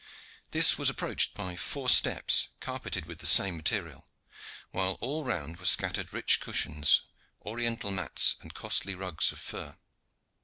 This was approached by four steps carpeted with the same material, while all round were scattered rich cushions, oriental mats and costly rugs of fur.